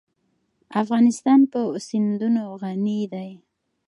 افغانستان په سیندونه غني دی.